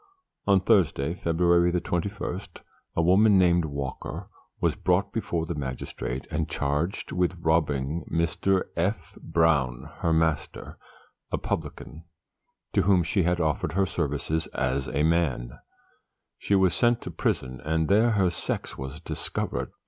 On Thursday, February 21, a woman named Walker was brought before the magistrate and charged with robbing Mr. F. Brown, her master, a publican, to whom she had offered her services as a man. She was sent to prison, and there her sex was discovered.